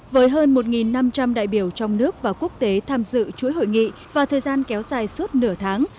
với hơn một năm trăm linh đại biểu trong nước và quốc tế tham dự chuỗi hội nghị và thời gian kéo dài suốt nửa tháng